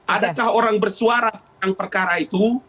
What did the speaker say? adakah orang bersuara tentang perkara itu